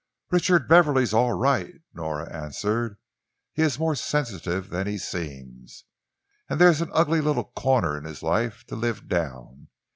"Richard Beverley's all right," Nora answered. "He is more sensitive than he seems, and there's an ugly little corner in his life to live down.